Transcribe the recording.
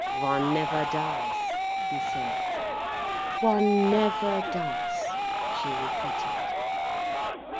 "One never does," he said. "One never does," she repeated.